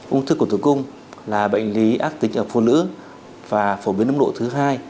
ung thư cổ tử cung là bệnh lý ác tính ở phụ nữ và phổ biến ấm độ thứ hai